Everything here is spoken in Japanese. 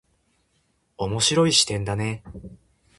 面白い視点だね。